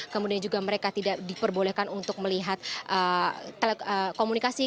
kemudian juga mereka tidak diperbolehkan untuk melihat telekomunikasi